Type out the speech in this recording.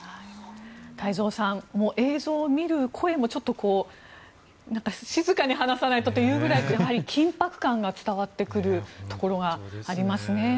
太蔵さん、映像を見る声もちょっと静かに話さないとというぐらい緊迫感が伝わってくるところがありますね。